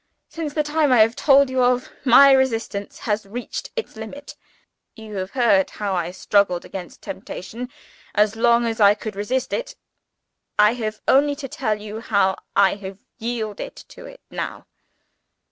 Since the time I have told you of, my resistance has reached its limits. You have heard how I struggled against temptation, as long as I could resist it. I have only to tell you how I have yielded to it now."